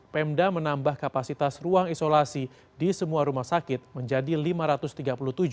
pemda menambah kapasitas ruang isolasi di semua rumah sakit menjadi lima ratus tiga puluh tujuh orang